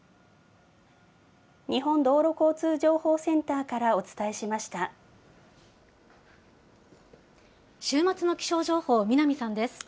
日本道路交通情報センターからお週末の気象情報、南さんです。